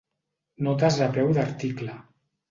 Notes a peu d'article.